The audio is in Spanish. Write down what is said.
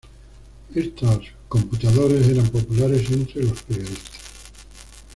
Éstos computadores eran populares entre los periodistas.